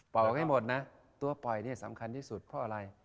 อกให้หมดนะตัวปล่อยเนี่ยสำคัญที่สุดเพราะอะไร